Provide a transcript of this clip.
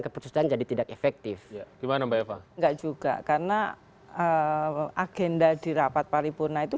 keputusan jadi tidak efektif gimana mbak eva enggak juga karena agenda di rapat paripurna itu